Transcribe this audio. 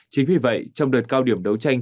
chính vì vậy trong đợt cao điểm đấu tranh